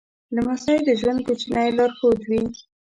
لمسی د ژوند کوچنی لارښود وي.